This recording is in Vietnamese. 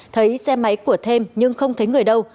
thấy xe máy của thêm nhưng không thấy người đâu